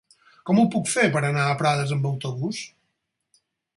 Com ho puc fer per anar a Prades amb autobús?